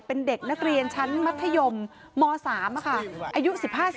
เป็นเด็กนักเรียนชั้นมัธยมม๓ค่ะอายุ๑๕๑